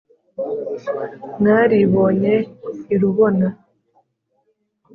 mwaribonye i rubona,